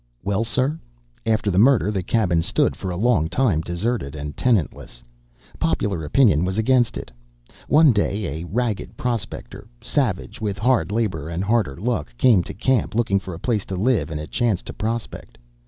"Well, sir, after the murder, the cabin stood for a long time deserted and tenantless. Popular opinion was against it. One day a ragged prospector, savage with hard labor and harder luck, came to the camp, looking for a place to live and a chance to prospect.